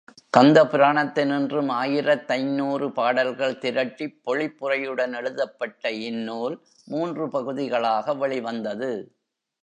கந்தபுராணத்தினின்றும் ஆயிரத்தைந்நூறு பாடல்கள் திரட்டிப் பொழிப்புரையுடன் எழுதப்பட்ட இந் நூல் மூன்று பகுதிகளாக வெளிவந்தது.